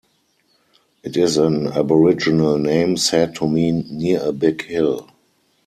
It is an Aboriginal name said to mean "near a big hill".